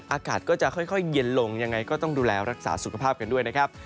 อากาศก็จะค่อยเย็นลงยังไงก็ต้องดูแลรักษาสุขภาพกันด้วยนะครับ